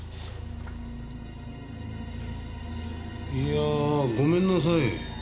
いやごめんなさい。